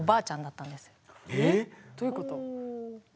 どういうこと？